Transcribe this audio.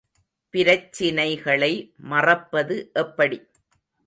பிரச்சினைகளை மறப்பது எப்படி?